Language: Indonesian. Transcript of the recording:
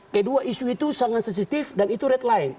kedua isu itu sangat sensitif dan itu readline